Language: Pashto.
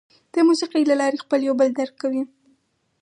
د موسیقۍ له لارې خلک یو بل درک کوي.